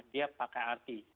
dia pakai arti